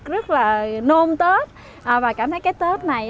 rất là nôn tết và cảm thấy cái tết này